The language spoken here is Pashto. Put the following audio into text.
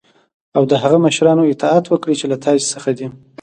او د هغه مشرانو اطاعت وکړی چی له تاسی څخه دی .